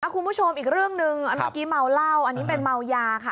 คุณผู้ชมอีกเรื่องหนึ่งเมื่อกี้เมาเหล้าอันนี้เป็นเมายาค่ะ